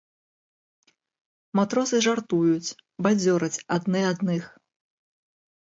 Матросы жартуюць, бадзёраць адны адных.